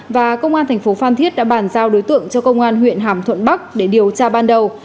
và công an thành phố phan thiết đã bàn giao đối tượng cho công an huyện hàm thuận bắc để điều tra ban đầu